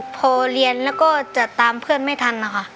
พอเรียนแล้วก็จะตามเพื่อนไม่ทันนะคะ